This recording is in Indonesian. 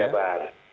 ya polda jabar